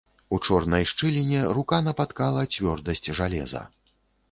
У чорнай шчыліне рука напаткала цвёрдасць жалеза.